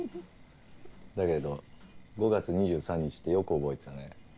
だけど５月２３日ってよく覚えてたね。